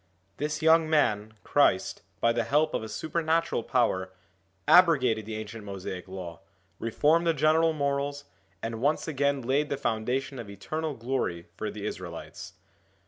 This young man, Christ, by the help of a super natural power, abrogated the ancient Mosaic Law, 20 ON THE INFLUENCE OF THE PROPHETS 21 reformed the general morals, and once again laid the foundation of eternal glory for the Israelites.